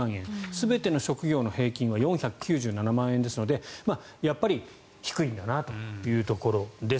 全ての職業の平均は４９７万円ですのでやっぱり低いんだなというところです。